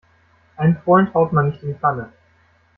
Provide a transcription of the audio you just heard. Einen Freund haut man nicht in die Pfanne.